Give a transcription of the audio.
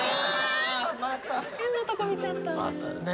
変なとこ見ちゃったね。